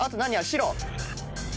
白。